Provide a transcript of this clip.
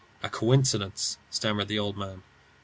"A coincidence," stammered the old man.